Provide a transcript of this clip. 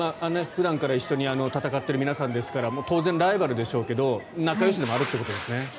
普段から一緒に戦っている皆さんですから当然、ライバルでしょうけど仲よしでもあるということですね。